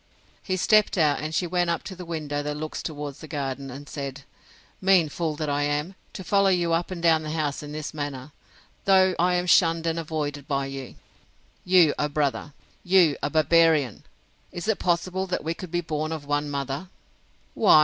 He stepped out, and she went up to the window that looks towards the garden, and said, Mean fool that I am, to follow you up and down the house in this manner, though I am shunned and avoided by you! You a brother!—You a barbarian! Is it possible we could be born of one mother?